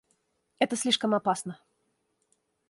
Это слишком опасно.